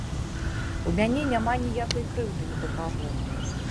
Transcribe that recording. У мяне няма ніякай крыўды ні да каго.